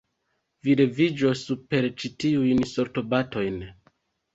Vi leviĝos super ĉi tiujn sortobatojn.